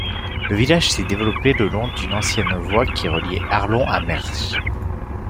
Le village s'est développé le long d'une ancienne voie qui reliait Arlon à Mersch.